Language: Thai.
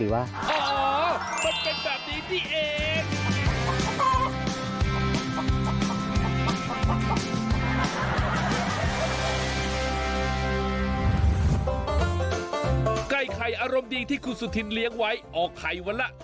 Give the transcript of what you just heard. เก็บไข่อารมณ์ดีที่คุณสุธินเลี้ยงไว้